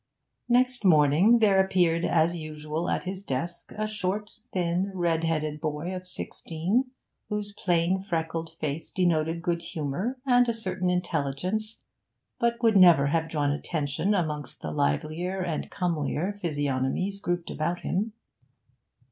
Next morning there appeared as usual at his desk a short, thin, red headed boy of sixteen, whose plain, freckled face denoted good humour and a certain intelligence, but would never have drawn attention amongst the livelier and comelier physiognomies grouped about him.